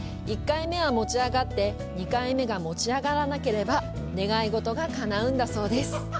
１回目は持ち上がって、２回目が持ち上がらなければ、願い事がかなうんだそうです。